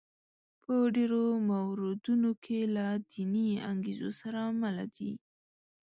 په ډېرو موردونو کې له دیني انګېزو سره مله دي.